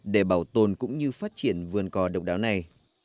để bảo tồn cũng như phát triển vườn cò độc đáo này